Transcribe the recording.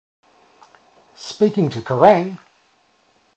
Speaking to Kerrang!